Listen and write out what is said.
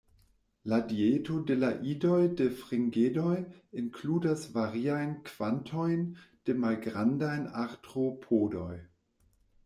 La dieto de la idoj de Fringedoj inkludas variajn kvantojn de malgrandaj artropodoj.